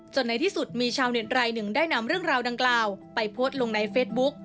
ในที่สุดมีชาวเน็ตรายหนึ่งได้นำเรื่องราวดังกล่าวไปโพสต์ลงในเฟซบุ๊ก